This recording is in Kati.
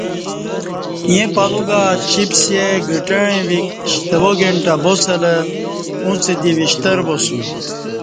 ییں پلو گا چِپسے گھٹعں وِیک شتوا گھنٹہ باسلہ ااُݩڅ دی وشتر باسُوم